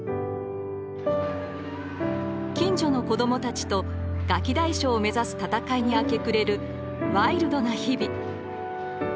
近所の子どもたちとガキ大将を目指す戦いに明け暮れるワイルドな日々。